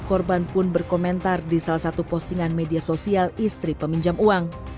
korban pun berkomentar di salah satu postingan media sosial istri peminjam uang